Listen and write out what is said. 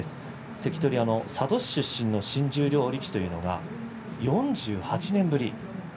関取は佐渡市出身の新十両力士というのは４８年ぶり。